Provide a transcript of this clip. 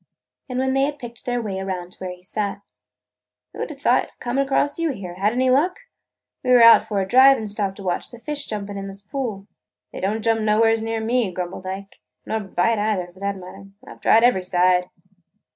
And when they had picked their way around to where he sat, "Who 'd have thought of coming across you here? Had any luck? We were out for a drive and stopped to watch the fish jumping in this pool." "They don't jump nowheres around me," grumbled Ike, "nor bite either, for that matter. I 've tried every side."